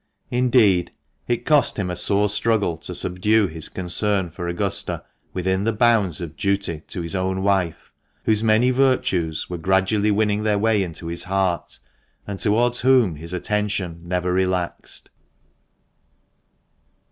Indeed, it cost him a sore struggle to subdue his concern for Augusta within the bounds of duty to his own wife, whose many virtues were gradually winning their way into his heart, and towards whom his attention never relaxed.